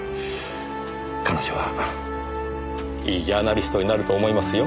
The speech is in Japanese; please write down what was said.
彼女はいいジャーナリストになると思いますよ。